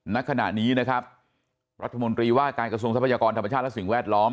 ณขณะนี้นะครับรัฐมนตรีว่าการกระทรวงทรัพยากรธรรมชาติและสิ่งแวดล้อม